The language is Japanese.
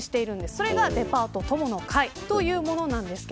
それがデパート友の会というものです。